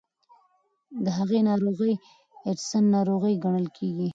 د هغې ناروغۍ اډیسن ناروغي ګڼل کېږي.